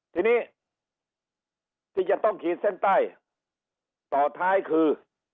ทีนี้ที่จะต้องขีดเส้นใต้ต่อท้ายคือ